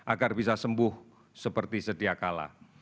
agar bisa sembuh seperti sedang